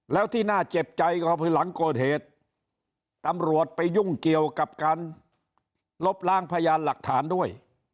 แล้วที่น่าเจ็บใจก็คือหลังเกิดเหตุตำรวจไปยุ่งเกี่ยวกับการลบล้างพยานหลักฐานด้วย